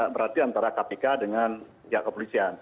berarti antara kpk dengan pihak kepolisian